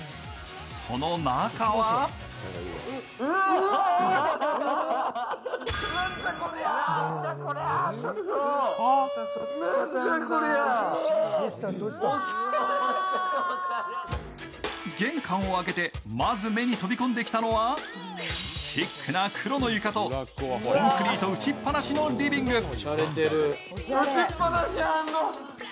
その中は玄関を開けてまず目に飛び込んできたのはシックな黒の床とコンクリート打ちっ放しのリビング。